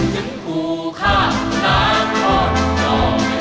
จึงผู้ข้างล้างรอดยอมยนต์